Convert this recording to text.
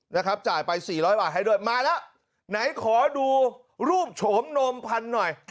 นะครับจ่ายไปสี่ร้อยบาทให้ด้วยมาแล้วไหนขอดูรูปโฉมนมพันธุ์หน่อย